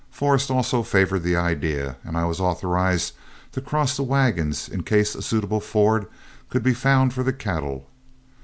Forrest also favored the idea, and I was authorized to cross the wagons in case a suitable ford could be found for the cattle.